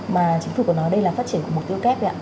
mà chính phủ của nó đây là phát triển của mục tiêu kép